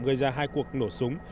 gây ra hai cuộc nổ súng